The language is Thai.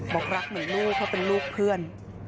บอกรักเหมือนลูกเพราะเป็นลูกเพื่อน